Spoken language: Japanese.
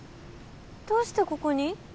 どうしてここに？